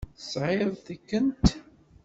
Tesεiḍ tikent?